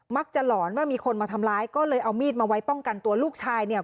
หลอนว่ามีคนมาทำร้ายก็เลยเอามีดมาไว้ป้องกันตัวลูกชายเนี่ย